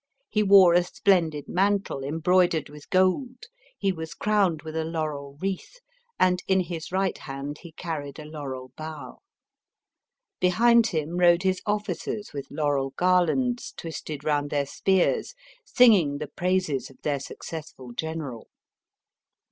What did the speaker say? He wore a splendid mantle, embroidered with gold, he was crowned with a laurel wreath, and in his right hand, he carried a laurel bough. Behind him rode his officers, with laurel garlands, twisted round their spears, singing the praises of their successful general.